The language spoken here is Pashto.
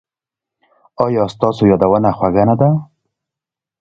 ایا ستاسو یادونه خوږه نه ده؟